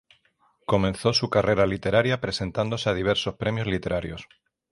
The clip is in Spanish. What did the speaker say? Comenzó su carrera literaria presentándose a diversos premios literarios.